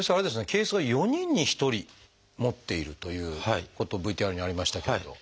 憩室は４人に１人持っているということＶＴＲにありましたけれど。